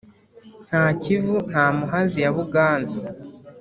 nka kivu na muhazi ya buganza